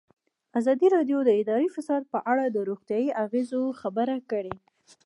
ازادي راډیو د اداري فساد په اړه د روغتیایي اغېزو خبره کړې.